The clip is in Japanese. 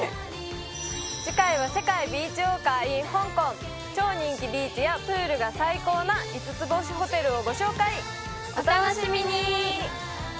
次回は世界ビーチウォーカーｉｎ香港超人気ビーチやプールが最高な五つ星ホテルをご紹介お楽しみに！